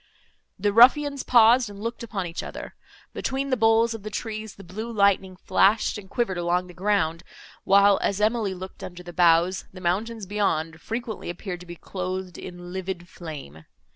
The ruffians paused, and looked upon each other. Between the boles of the trees, the blue lightning flashed and quivered along the ground, while, as Emily looked under the boughs, the mountains beyond, frequently appeared to be clothed in livid flame.